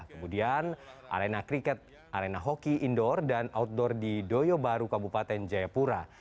kemudian arena kriket arena hoki indoor dan outdoor di doyobaru kabupaten jayapura